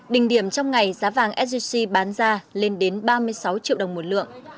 đỉnh điểm trong ngày giá vàng sgc bán ra lên đến ba mươi sáu triệu đồng một lượng